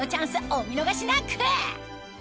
お見逃しなく！